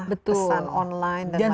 pesan online dan lain lain